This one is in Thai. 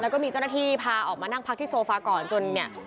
แล้วก็มีเจ้าหน้าที่พาออกมานั่งพักที่โซฟาก่อนจนเนี่ย